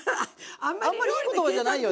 あんまりいい言葉じゃないよね。